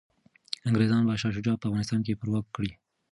انګریزان به شاه شجاع په افغانستان کي پرواک کړي.